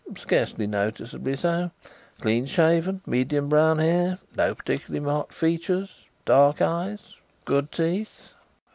"Scarcely noticeably so. Clean shaven. Medium brown hair. No particularly marked features. Dark eyes. Good teeth."